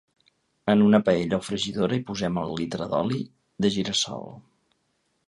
En una paella o fregidora hi posem el litre d’oli de gira-sol.